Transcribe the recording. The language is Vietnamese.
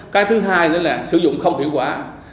cái thứ hai nữa là sử dụng không hiệu quả